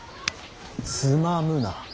つまむな。